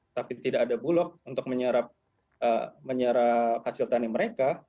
tapi tidak ada bulog untuk menyerap hasil tani mereka